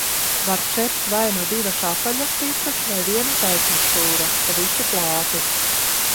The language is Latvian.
Var cept vai nu divas apaļas picas, vai vienu taisnstūra pa visu plāti.